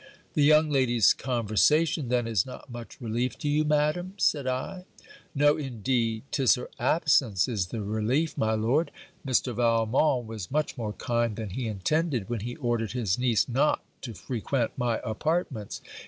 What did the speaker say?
'The young lady's conversation, then, is not much relief to you, Madam?' said I. 'No, indeed, 'tis her absence is the relief, my lord. Mr. Valmont was much more kind than he intended, when he ordered his niece not to frequent my apartments.